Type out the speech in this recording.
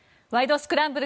スクランブル」